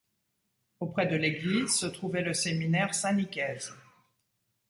Auprès de l’église, se trouvait le séminaire Saint-Nicaise.